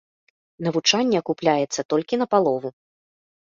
Навучанне акупляецца толькі на палову.